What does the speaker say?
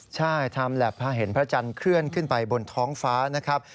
ใช่ทำแล็บพาเห็นพระจันทร์เคลื่อนขึ้นไปบนท้องฟ้านะครับ